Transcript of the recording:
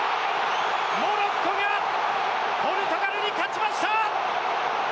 モロッコがポルトガルに勝ちました！